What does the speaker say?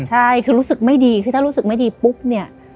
ใช่คือรู้สึกไม่ดีคือถ้ารู้สึกไม่ดีปุ๊บเนี่ย